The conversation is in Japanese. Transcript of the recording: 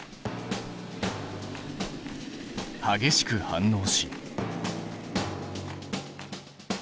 激しく反応し。